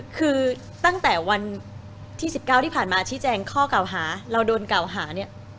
คือตั้งแต่วันที่๑๙ที่ผ่านมาชี้แจงข้อเก่าหาเราโดนเก่าหาเนี่ย